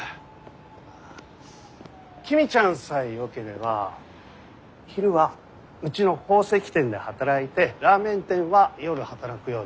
公ちゃんさえよければ昼はうちの宝石店で働いてラーメン店は夜働くようにしないか。